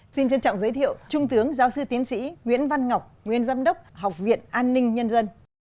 xin trân trọng giới thiệu trung tướng giáo sư tiến sĩ nguyễn văn ngọc nguyên giám đốc học viện an ninh nhân dân